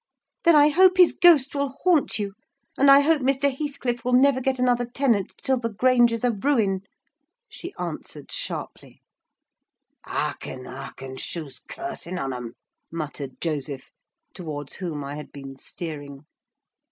"Then I hope his ghost will haunt you; and I hope Mr. Heathcliff will never get another tenant till the Grange is a ruin," she answered, sharply. "Hearken, hearken, shoo's cursing on 'em!" muttered Joseph, towards whom I had been steering.